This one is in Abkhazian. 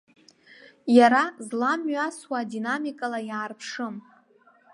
Иара зламҩасуа адинамикала иаарԥшым.